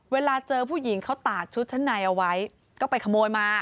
เวลาเจอผู้หญิงเขาตากชุดชั้นในเอาไว้ก็ไปขโมยมา